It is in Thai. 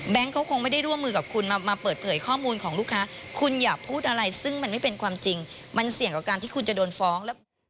เขาคงไม่ได้ร่วมมือกับคุณมาเปิดเผยข้อมูลของลูกค้าคุณอย่าพูดอะไรซึ่งมันไม่เป็นความจริงมันเสี่ยงต่อการที่คุณจะโดนฟ้อง